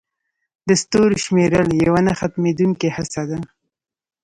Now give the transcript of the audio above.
د ستورو شمیرل یوه نه ختمېدونکې هڅه ده.